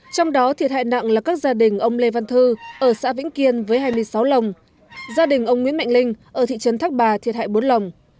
trong đó thiệt hại nặng là các gia đình ông lê văn thư ở xã vĩnh kiên với hai mươi sáu lồng gia đình ông nguyễn mạnh linh ở thị trấn thác bà thiệt hại bốn lồng